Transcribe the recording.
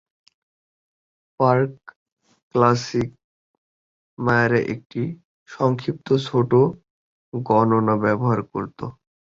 প্রাক-ক্লাসিক মায়ারা একটি সংক্ষিপ্ত ছোট গণনা ব্যবহার করত।